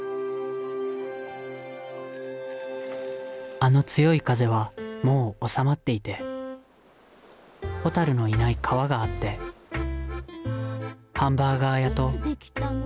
あの強い風はもうおさまっていてホタルのいない川があってハンバーガー屋といつ出来たの？